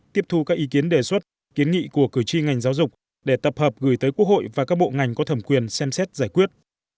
tiếp thu các ý kiến đề xuất kiến nghị của cử tri ngành giáo dục để tập hợp gửi tới quốc hội và các bộ ngành có thẩm quyền xem xét giải quyết